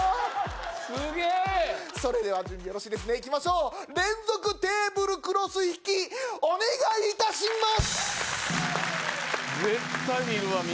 すげえそれでは準備よろしいですねいきましょう「連続テーブルクロス引き」お願いいたします！